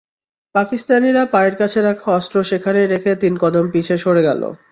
পাকিস্তানিরা পায়ের কাছে রাখা অস্ত্র সেখানেই রেখে তিন কদম পিছে সরে গেল।